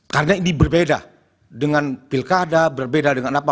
karena ini berbeda dengan pilkada berbeda dengan apa